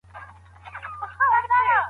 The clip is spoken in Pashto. حق نه ورکول کيږي.